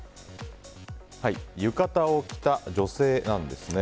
浴衣を着た女性なんですね。